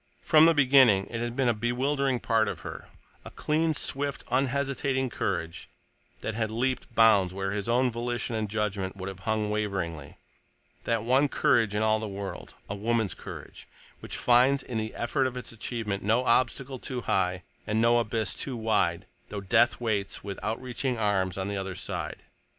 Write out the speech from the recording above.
From the beginning it had been a bewildering part of her—a clean, swift, unhesitating courage that had leaped bounds where his own volition and judgment would have hung waveringly; that one courage in all the world—a woman's courage—which finds in the effort of its achievement no obstacle too high and no abyss too wide though death waits with outreaching arms on the other side.